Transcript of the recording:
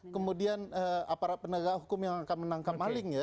kemudian aparat penegak hukum yang akan menangkapnya